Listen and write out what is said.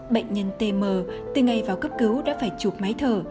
bệnh nhân t m từ ngày vào cấp cứu đã phải chụp máy thở